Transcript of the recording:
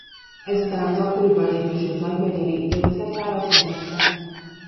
Ezután az akkoriban létesült nagymegyeri gyógyszertárat vezette.